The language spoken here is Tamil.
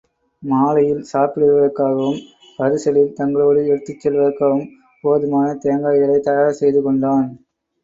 மாலையில் சாப்பிடுவதற்காகவும், பரிசலில் தங்களோடு எடுத்துச் செல்வதற்காகவும் போதுமான தேங்காய்களைத் தயார் செய்து கொண்டான்.